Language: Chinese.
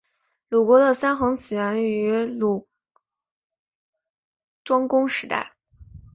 鲁国的三桓起于鲁庄公时代。